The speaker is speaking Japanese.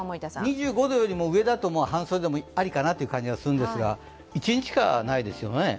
２５度よりも上だと半袖もありかなという感じがするんですが一日しかないですよね。